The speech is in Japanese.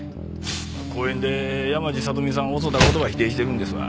公園で山路さとみさんを襲った事は否定してるんですわ。